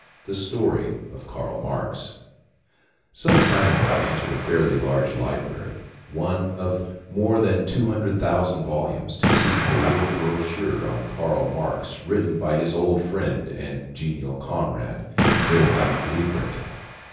THE STORY OF KARL MARX Some time ago I entered a fairly large library one of more than two hundred thousand volumes to seek the little brochure on Karl Marx written by his old friend and genial comrade Wilhelm Liebknecht.